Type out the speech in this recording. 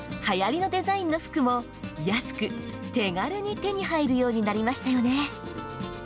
はやりのデザインの服も安く、手軽に手に入るようになりましたよね。